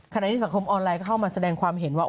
ในสังคมออนไลน์เข้ามาแสดงความเห็นว่า